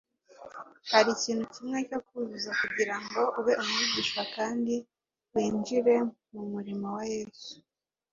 Hari ikintu kimwe cyo kuzuza kugira ngo ube umwigishwa kandi winjire mu murimo wa Yesu: